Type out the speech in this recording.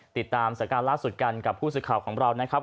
ติดตามสถานการณ์ล่าสุดกันกับผู้สื่อข่าวของเรานะครับ